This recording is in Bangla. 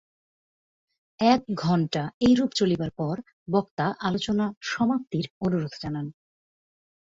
এক ঘণ্টা এইরূপ চলিবার পর বক্তা আলোচনা সমাপ্তির অনুরোধ জানান।